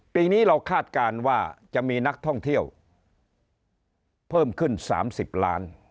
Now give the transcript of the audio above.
ปีนี้เราคาดการณ์ว่าจะมีนักท่องเที่ยวเพิ่มขึ้น๓๐ล้าน